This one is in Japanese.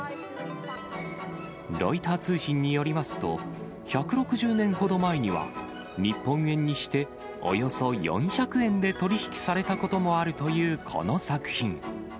ロイター通信によりますと、１６０年ほど前には、日本円にしておよそ４００円で取り引きされたこともあるという、この作品。